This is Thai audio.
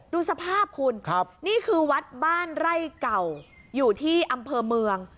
ดูสภาพคุณนี่คือวัดบ้านไร่เก่าอยู่ที่อำเภอเมือง